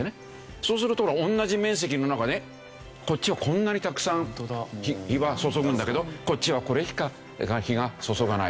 そうすると同じ面積の中にこっちはこんなにたくさん日が注ぐんだけどこっちはこれしか日が注がない。